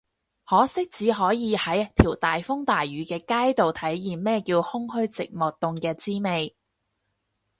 可惜只可以喺條大風大雨嘅街度體驗咩叫空虛寂寞凍嘅滋味